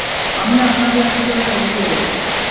আমি আপনাদের ভিতরে বসিয়ে দেব।